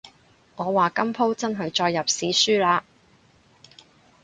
我話今舖真係載入史書喇